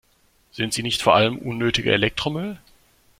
Sind sie nicht vor allem unnötiger Elektromüll?